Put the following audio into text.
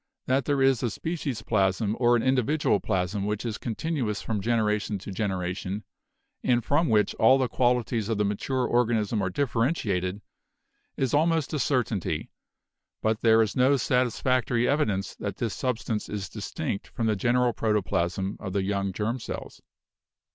That there is a species plasm or an indi vidual plasm which is continuous from generation to gen eration, and from which all the qualities of the mature organism are differentiated, is almost a certainty, but there is no satisfactory evidence that this substance is dis tinct from the general protoplasm of the young germ cells.